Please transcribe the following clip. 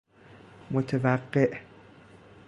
متوقع